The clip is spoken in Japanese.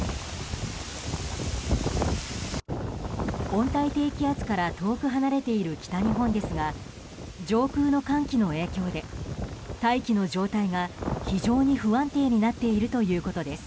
温帯低気圧から遠く離れている北日本ですが上空の寒気の影響で大気の状態が非常に不安定になっているということです。